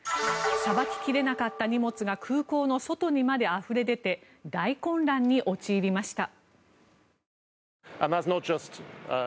さばき切れなかった荷物が空港の外にまであふれ出て大混乱に陥りました。